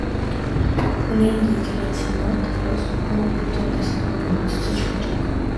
Ունէին եկեղեցի մը, դպրոց մը եւ տնտեսական գոհացուցիչ վիճակ։